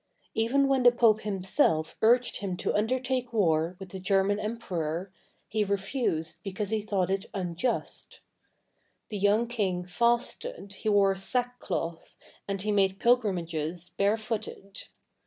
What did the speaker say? Even when the pope himself urged him to undertake war with the German emperor, he refused because he thought it unjust. The young king fasted, he wore sackcloth, and he made pilgrimages barefooted.